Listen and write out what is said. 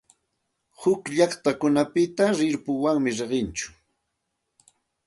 Huk llaqtakunapiqa rirpuwanmi riqsinku.